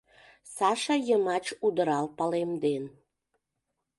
Саша йымач удырал палемден: